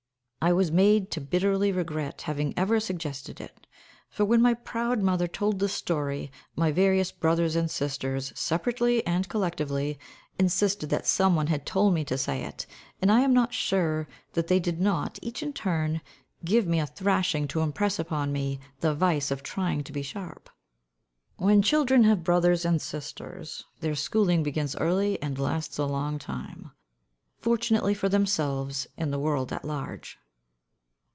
I was made to bitterly regret having ever suggested it; for, when my proud mother told the story, my various brothers and sisters, separately and collectively, insisted that some one had told me to say it, and I am not sure that they did not, each in turn, give me a thrashing to impress upon me the vice of "trying to be sharp." When children have brothers and sisters, their schooling begins early and lasts a long time fortunately for themselves and the world at large.